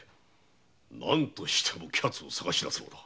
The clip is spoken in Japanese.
何としても浮太郎を捜しだすのだ。